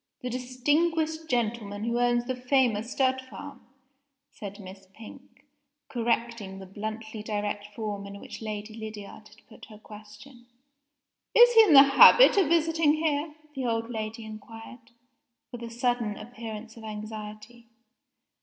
"The distinguished gentleman who owns the famous stud farm," said Miss Pink, correcting the bluntly direct form in which Lady Lydiard had put her question. "Is he in the habit of visiting here?" the old lady inquired, with a sudden appearance of anxiety.